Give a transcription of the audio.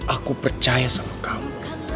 aku percaya sama kamu